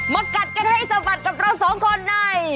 กัดกันให้สะบัดกับเราสองคนใน